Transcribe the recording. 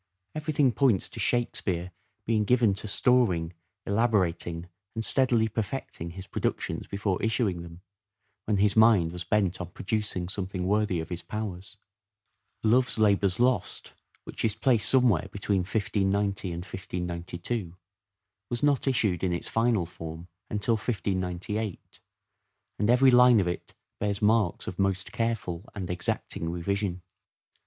Habits of Everything points to " Shakespeare " being given to storing, elaborating, and steadily perfecting his productions before issuing them, when his mind was bent on producing something worthy of his powers. " Love's Labour's Lost," which is placed somewhere between 1590 and 1592, was not issued in its final FINAL OR SHAKESPEAREAN PERIOD 381 form until 1598, and every line of it bears marks of most careful and exacting revision.